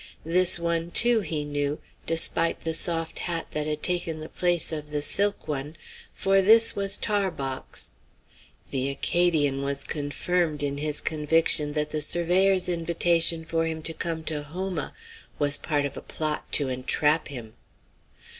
This one, too, he knew, despite the soft hat that had taken the place of the silk one; for this was Tarbox. The Acadian was confirmed in his conviction that the surveyor's invitation for him to come to Houma was part of a plot to entrap him.